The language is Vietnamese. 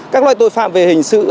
các loại tội phạm về hình sự